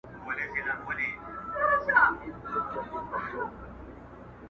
پټ په کوګل کي له انګاره سره لوبي کوي؛؛!